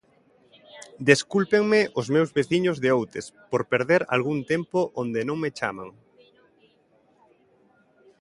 Descúlpenme os meus veciños de Outes, por perder algún tempo onde non me chaman.